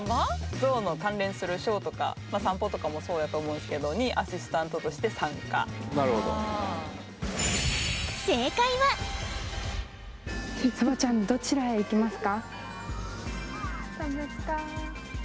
ゾウの関連するショーとか散歩とかもそうやと思うんですけどにアシスタントとして参加なるほどサバちゃんどちらへ行きますか？